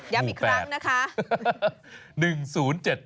ย้ำอีกครั้งนะคะ